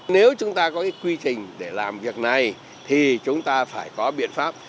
nếu chúng ta có cái quy trình để làm việc này thì chúng ta phải có biện pháp